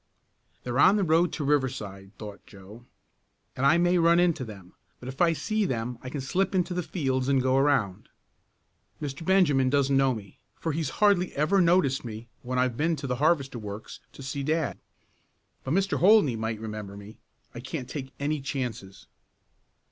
"They're on the road to Riverside," thought Joe, "and I may run into them, but if I see them I can slip into the fields and go around. Mr. Benjamin doesn't know me, for he's hardly ever noticed me when I've been to the Harvester works to see dad. But Mr. Holdney might remember me. I can't take any chances."